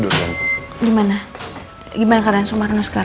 hai hai hai alhamdulillah sumarno sudah sadar alhamdulillah sumarno sudah sadar